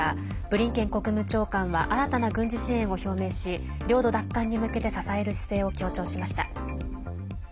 ブリンケン国務長官は新たな軍事支援を表明し領土奪還に向けて支える姿勢を強調しました。